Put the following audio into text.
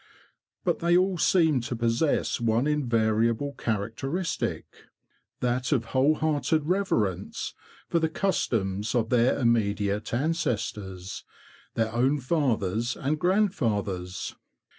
But they all seem to possess one invariable characteristic—that of whole hearted reverence for the customs of their immediate ances tors, their own fathers and grandfathers.